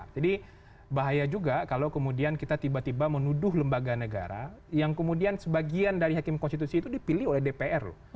jadi bahaya juga kalau kemudian kita tiba tiba menuduh lembaga negara yang kemudian sebagian dari hakim konstitusi itu dipilih oleh dpr